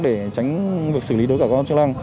để tránh việc xử lý đối cả quan chức năng